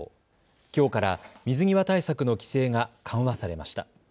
きょうから水際対策の規制が緩和されました。